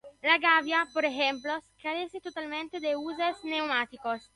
La gavia, por ejemplo, carece totalmente de huesos neumáticos.